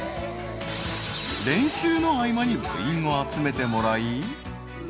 ［練習の合間に部員を集めてもらい］